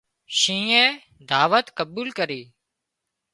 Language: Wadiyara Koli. شينهنئي دعوت قبول ڪرِي